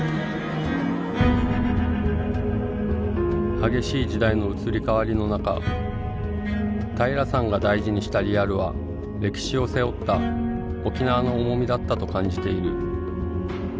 激しい時代の移り変わりの中平良さんが大事にしたリアルは歴史を背負った沖縄の重みだったと感じている。